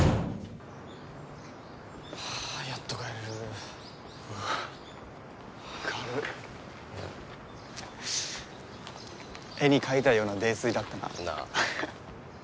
あやっと帰れる明る絵に描いたような泥酔だったななぁ